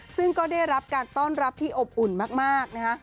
ซึ่งก็ได้รับการต้อนรับที่อบอุ่นมากนะคะ